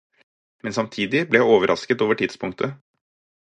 Men samtidig ble jeg overrasket over tidspunktet.